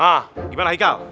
hah gimana hikal